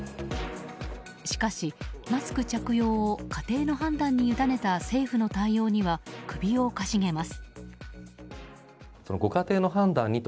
しかし、マスク着用を家庭の判断に委ねた政府の対応には首をかしげます。